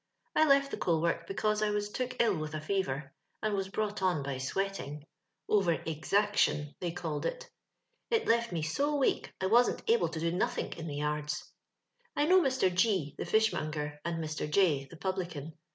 I left the coal work because I was took ill witii a fever, as was brought on by sweating — over exoc/ion they called it. It left me so weak I wasnl able to do nothink in the yazds. *'I know Mr. G , the fishmonger, and ^Ir. J , the publican.